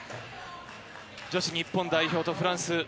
女子日本代表とフランス。